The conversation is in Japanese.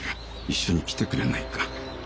一緒に来てくれないか？